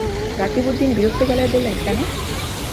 রকিবউদ্দিন বিরক্ত গলায় বললেন, কেন?